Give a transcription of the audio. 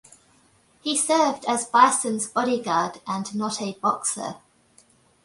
He served as Bison's bodyguard and not a boxer.